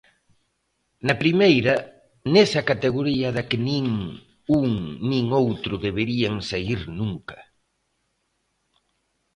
Na Primeira, nesa categoría da que nin un nin outro deberían saír nunca.